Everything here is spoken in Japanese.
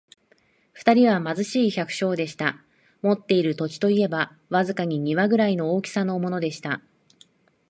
二人は貧しい百姓でした。持っている土地といえば、わずかに庭ぐらいの大きさのものでした。